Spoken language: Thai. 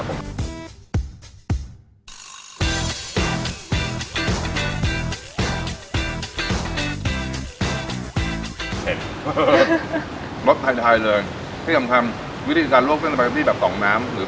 เซ็นรสไทยไทยเลยที่สำคัญวิธีการลวกเส้นแบบนี้แบบต่องน้ำหรือ